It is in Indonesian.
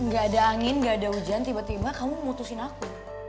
gak ada angin nggak ada hujan tiba tiba kamu mutusin aku